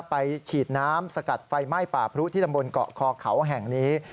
ฉีดน้ำสกัดไฟไหม้ป่าพรุที่ตำบลเกาะคอเขาแห่งนี้